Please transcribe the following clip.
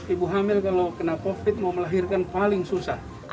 ibu hamil kalau kena covid mau melahirkan paling susah